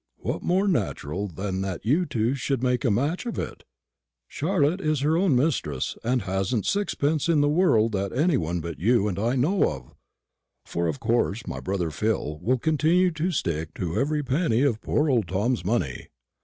What more natural than that you two should make a match of it? Charlotte is her own mistress, and hasn't sixpence in the world that any one but you and I know of; for, of course, my brother Phil will continue to stick to every penny of poor old Tom's money.